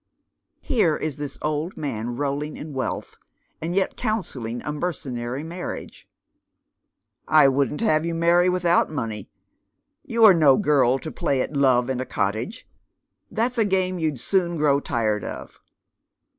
Here is this old man, rolling in wealth, and yet counselling a mercenary marriage. " I wouldn't have you maiTy without money. You are no girl to play at love in a cottage. That's a game you'd eoon grow tired of."